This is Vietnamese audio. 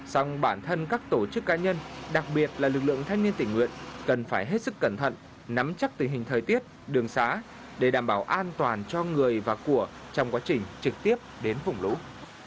xong bản thân các tổ chức cá nhân đặc biệt là lực lượng thanh niên tình nguyện cần phải hết sức cẩn thận nắm chắc tình hình thời tiết đường xá để đảm bảo an toàn cho người và của trong quá trình trực tiếp đến vùng lũ